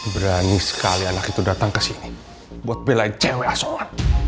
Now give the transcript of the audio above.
berani sekali anak itu datang kesini buat belain cewek asongan